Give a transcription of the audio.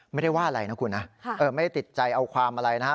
ไม่ได้ว่าอะไรนะคุณนะไม่ติดใจเอาความอะไรนะฮะ